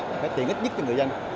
phải tiện ích nhất cho người dân